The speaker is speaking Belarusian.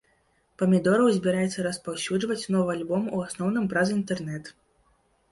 Памідораў збіраецца распаўсюджваць новы альбом у асноўным праз інтэрнэт.